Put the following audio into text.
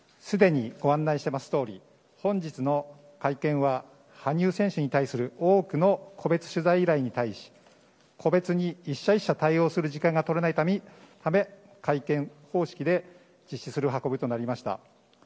すでにご案内していますとおり本日の会見は羽生選手に対する多くの個別取材依頼に対し個別に１社１社対応する時間が取れないため会見方式で実施する運びとなりました。